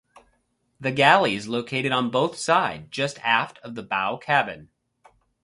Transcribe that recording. The galley is located on both side just aft of the bow cabin.